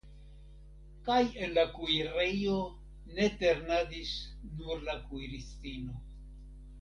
Kaj en la kuirejo ne ternadis nur la kuiristino.